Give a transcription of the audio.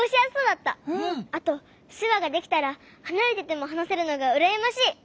あとしゅわができたらはなれててもはなせるのがうらやましい！